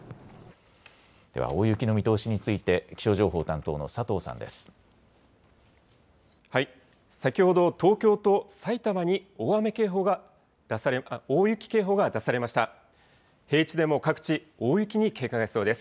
では大雪の見通しについて気象情報担当の佐藤さんです。